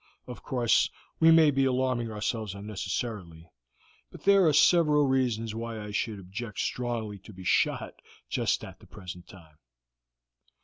Of course we may be alarming ourselves unnecessarily, but there are several reasons why I should object strongly to be shot just at the present time."